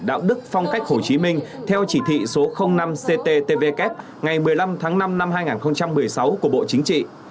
đạo đức phong cách hồ chí minh theo chỉ thị số năm cttvk ngày một mươi năm tháng năm năm hai nghìn một mươi sáu của bộ chính trị